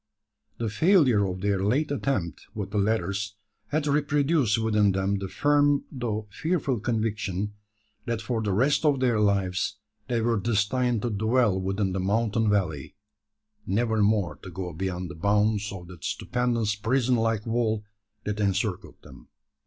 The failure of their late attempt with the ladders had reproduced within them the firm though fearful conviction, that for the rest of their lives they were destined to dwell within the mountain valley never more to go beyond the bounds of that stupendous prison like wall that encircled them.